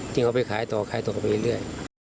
เอาไปขายต่อขายต่อไปเรื่อย